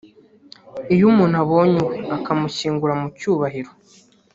Iyo umuntu abonye uwe akamushyingura mu cyubahiro